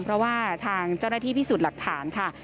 เพราะว่าทางเจ้าหน้าที่พิสูจน์หลักฐานค่ะ